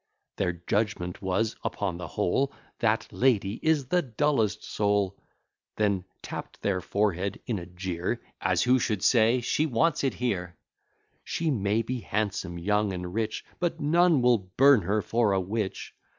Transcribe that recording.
Their judgment was, upon the whole, That lady is the dullest soul! Then tapt their forehead in a jeer, As who should say She wants it here! She may be handsome, young, and rich, But none will burn her for a witch!